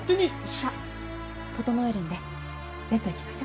さっ整えるんでベッド行きましょ。